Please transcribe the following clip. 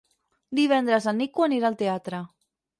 Divendres en Nico anirà al teatre.